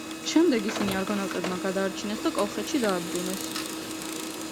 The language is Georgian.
შემდეგ ისინი არგონავტებმა გადაარჩინეს და კოლხეთში დააბრუნეს.